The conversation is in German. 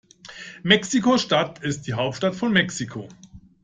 Mexiko-Stadt ist die Hauptstadt von Mexiko.